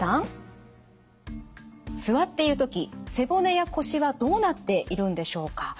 座っている時背骨や腰はどうなっているんでしょうか。